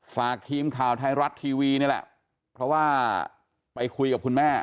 ฝากทีมข่าวไทยรัฐทีวีนี่แหละเพราะว่าไปคุยกับคุณแม่